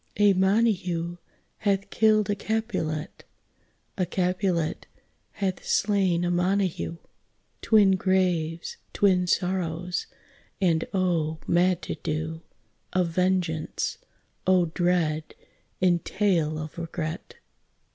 A Montague hath killed a Capulet, A Capulet hath slain a Montague, Twin graves, twin sorrows, and oh, mad to do Of vengeance! oh, dread entail of regret!